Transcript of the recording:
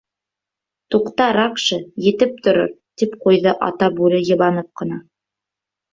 — Туҡта, Ракша, етеп торор, — тип ҡуйҙы Ата Бүре йыбанып ҡына.